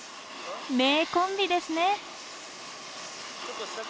名コンビですね！